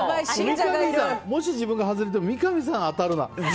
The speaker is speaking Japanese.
もし自分が外れても三上さん当たるな！